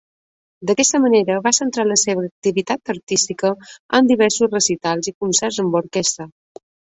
D'aquesta manera, va centrar la seva activitat artística en diversos recitals i concerts amb orquestra.